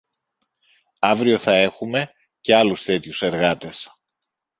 Αύριο θα έχουμε και άλλους τέτοιους εργάτες